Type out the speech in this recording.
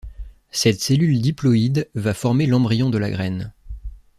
Cette cellule diploïde va former l’embryon de la graine.